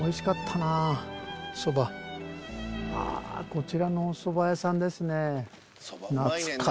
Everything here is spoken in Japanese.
こちらのおそば屋さんですね。